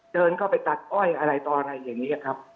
เดินเข้าไปตัดอ้อยอะไรต่ออะไรอย่างนี้ครับ